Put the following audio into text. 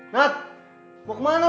nat mau kemana lu